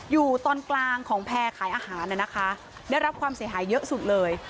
อยู่ตอนกลางของแพร่ขายอาหารนะคะได้รับความเสียหายเยอะสุดเลย